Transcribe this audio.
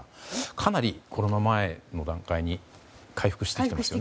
かなりコロナ前の段階に回復してきてますよね。